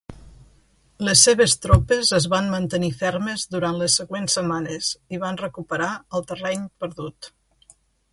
Les seves tropes es van mantenir fermes durant les següents setmanes i van recuperar el terreny perdut.